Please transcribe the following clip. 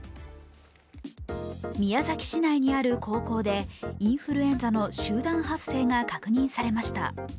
宮崎市内にある高校でインフルエンザの集団発生が確認されました。